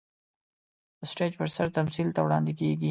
د سټېج پر سر تمثيل ته وړاندې کېږي.